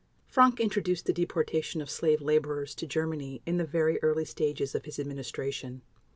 Frank introduced the deportation of slave laborers to Germany in the very early stages of his administration.